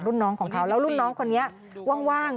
รุ่นน้องของเขาแล้วรุ่นน้องคนนี้ว่าง